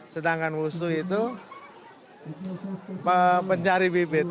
sedangkan wusuh itu pencari bibit